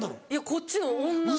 こっちの女の。